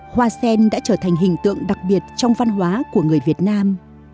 hoa sen đã trở thành hình tượng đặc biệt trong văn hóa của người việt nam